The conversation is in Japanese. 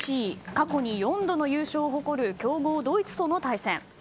過去に４度の優勝を誇る強豪ドイツとの対戦。